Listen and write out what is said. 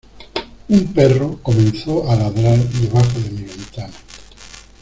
un perro comenzó a ladrar debajo de mi ventana